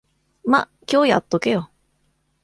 ま、今日やっとけよ。